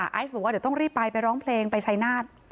ไอซ์บอกว่าเดี๋ยวต้องรีบไปไปร้องเพลงไปชัยนาฏ